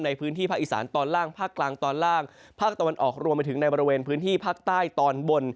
ในพื้นที่ภาคอีสานตอนล่างภาคกลางตอนล่างภาคตะวันออกรวมไปถึงในบริเวณพื้นที่ภาคใต้ตอนบน